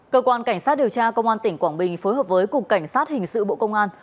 cơ quan cảnh sát điều tra công an tỉnh quảng bình phối hợp với cục cảnh sát hình sự bộ công an